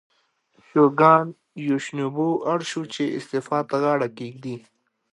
شوګان یوشینوبو اړ شو چې استعفا ته غاړه کېږدي.